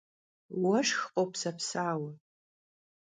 Vueşşx khopsepsaue.